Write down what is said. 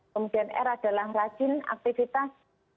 kemudian r adalah rajin aktivitas